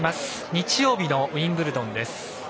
日曜日のウィンブルドンです。